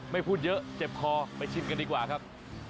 พูดเยอะเจ็บคอไปชิมกันดีกว่าครับ